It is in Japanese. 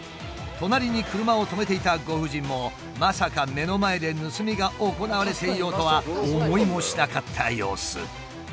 隣に車を止めていたご婦人もまさか目の前で盗みが行われていようとは思いもしなかった様子。